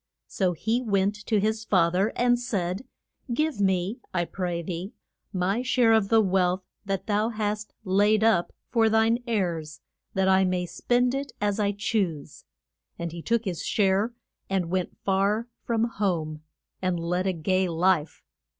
So he went to his fa ther and said, Give me, I pray thee, my share of the wealth thou hast laid up for thine heirs, that I may spend it as I choose. And he took his share, and went far from home, and led a gay life.